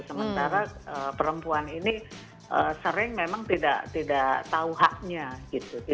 sementara perempuan ini sering memang tidak tahu haknya gitu